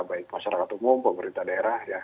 baik masyarakat umum pemerintah daerah ya